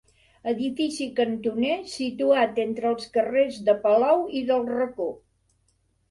Edifici cantoner situat entre els carrers de Palou i del Racó.